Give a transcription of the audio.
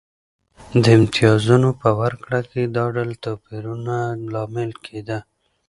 د امتیازونو په ورکړه کې دا ډول توپیرونه لامل کېده.